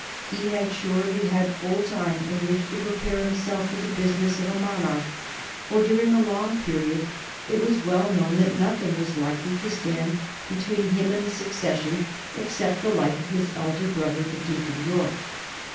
He had surely had full time in which to prepare himself for the business of a monarch, for during a long period it was well known that nothing was likely to stand between him and the succession except the life of his elder brother, the Duke of York.